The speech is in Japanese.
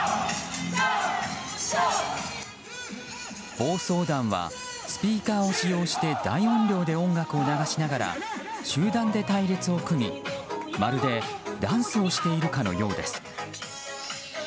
暴走団はスピーカーを使用して大音量で音楽を流しながら集団で隊列を組み、まるでダンスをしているかのようです。